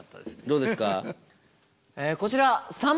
どうですか？